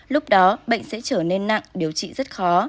lúc đó bệnh sẽ trở nên nặng điều trị rất khó